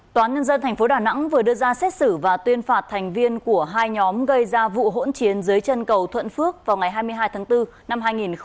tòa nhân dân tp đà nẵng vừa đưa ra xét xử và tuyên phạt thành viên của hai nhóm gây ra vụ hỗn chiến dưới chân cầu thuận phước vào ngày hai mươi hai tháng bốn năm hai nghìn hai mươi